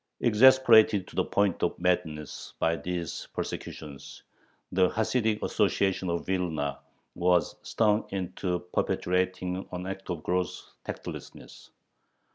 Exasperated to the point of madness by these persecutions, the Hasidic association of Vilna was stung into perpetrating an act of gross tactlessness.